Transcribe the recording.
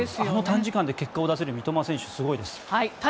あの短時間で結果を出せる三笘選手すごいです。